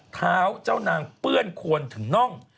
เท้าเจ้านางเปื้อนควรถึงน่อง